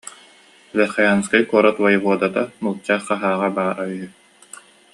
Верхоянскай куорат воеводата, нуучча хаһааҕа баара үһү